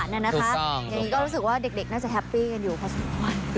ทั่งสามสารเนี่ยนะครับนี่ก็รู้สึกว่าเด็กน่าจะแฮปปี้กันอยู่พอส